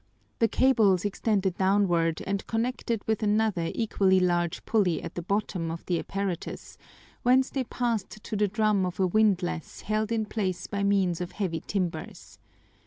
The cables extended downward and connected with another equally large pulley at the bottom of the apparatus, whence they passed to the drum of a windlass held in place by means of heavy timbers.